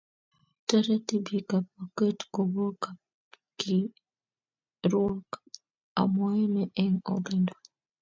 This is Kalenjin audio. Toreti bikap kokwet kowo kapkirwok omwoe ne eng olindo?